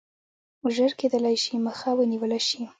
ژر کېدلای شي مخه ونیوله شي.